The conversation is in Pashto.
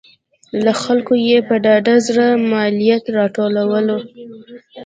له خلکو یې په ډاډه زړه مالیات راټولول